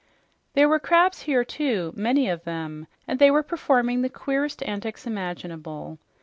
There were crabs here, too, many of them, and they were performing the queerest antics imaginable.